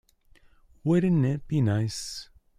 Wouldn't it be nice?